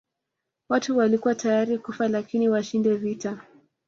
Watu walikuwa tayari kufa lakini washinde vita